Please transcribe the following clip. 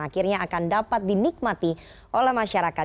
akhirnya akan dapat dinikmati oleh masyarakat